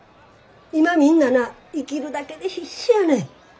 今みんなな生きるだけで必死やねん。